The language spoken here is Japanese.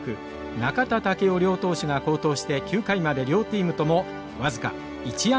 中田武雄両投手が好投して９回まで両チームとも僅か１安打無得点。